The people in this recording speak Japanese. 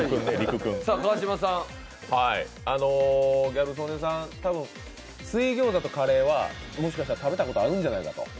ギャル曽根さん、水餃子とカレーはもしかしたら食べたことあるんじゃないかなと。